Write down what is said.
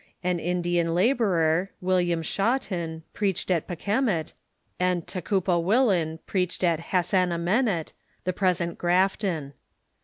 An Indian la borer, William ShaAvton, preached at Pakemit, and Tackuppa Avillin preached at Hassanamenit, the present Grafton.